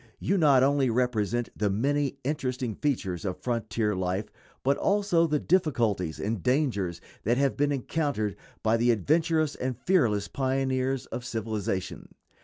You not only represent the many interesting features of frontier life, but also the difficulties and dangers that have been encountered by the adventurous and fearless pioneers of civilization.